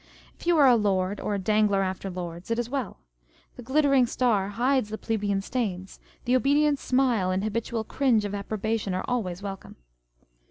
If you are a lord or a dangler after lords, it is well : the glittering star hides the plebeian stains, the obedient smile and habitual cringe of approbation are always welcome.